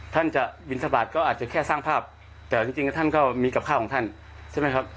ท่านจะบินทบาทก็อาจจะแค่สร้างภาพแต่จริงท่านก็มีกับข้าวของท่านใช่ไหมครับ